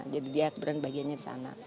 jadi dia keberan bagiannya disana